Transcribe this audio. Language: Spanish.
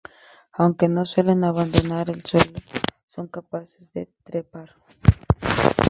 Aunque no suelen abandonar el suelo, son capaces de trepar.